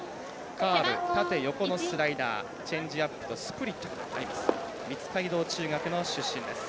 カーブ、縦横のスライダーチェンジアップとスプリットとあります。